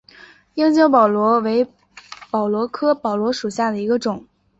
樱井宝螺为宝螺科宝螺属下的一个种。